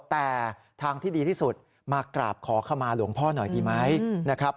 แต่ทางที่ดีที่สุดมากราบขอขมาหลวงพ่อหน่อยดีไหมนะครับ